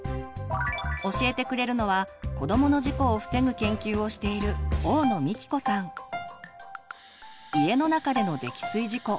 教えてくれるのは子どもの事故を防ぐ研究をしている家の中での溺水事故。